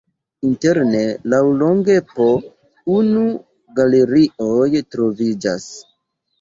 Interne laŭlonge po unu galerioj troviĝas.